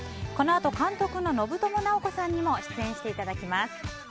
このあと監督の信友直子さんにも出演していただきます。